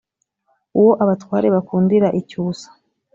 Uwo abatware bakundira icyusa,